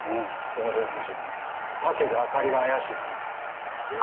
この部屋の住人武部あかりが怪しいですね。